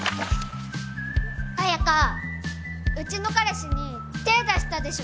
綾華うちの彼氏に手出したでしょ